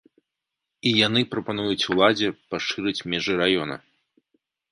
І яны прапануюць уладзе пашырыць межы раёна.